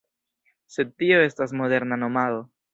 Sed tio estas moderna nomado.